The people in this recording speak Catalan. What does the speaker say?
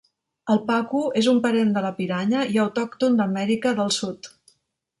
El Pacu és un parent de la piranya i autòcton d'Amèrica del Sud.